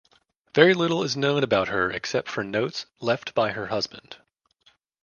Very little is known about her except for notes left by her husband.